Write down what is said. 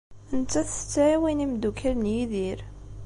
Nettat tettɛiwin imeddukal n Yidir.